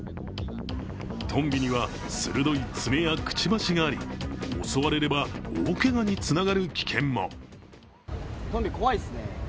トンビには鋭い爪やくちばしがあり襲われれば大けがにつながる危険も。